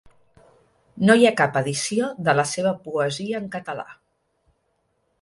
No hi ha cap edició de la seva poesia en català.